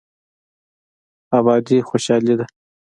ابادي خوشحالي ده.